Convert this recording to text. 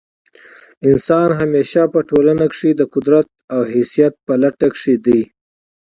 انسان همېشه په ټولنه کښي د قدرت او حیثیت په لټه کښي دئ.